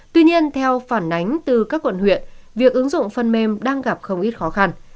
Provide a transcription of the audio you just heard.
tuy nhiên theo phản ánh từ các quận huyện việc ứng dụng phần mềm đang gặp không ít khó khăn